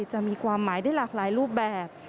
จะมีความหมายได้หลากหลายรูปแบบ